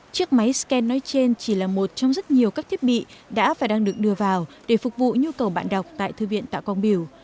chiếc máy scan nói trên chỉ là một trong rất nhiều các thiết bị đã và đang được đưa vào để phục vụ nhu cầu bạn đọc tại thư viện tạ quang biểu